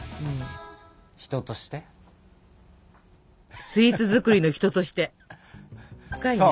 深いねスイーツ作りの人として。